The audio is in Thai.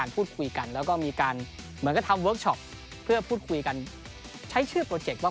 เพื่อพูดคุยกันใช้ชื่อโปรเจคว่า